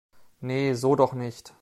Nee, so doch nicht!